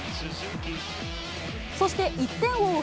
そして１点を追う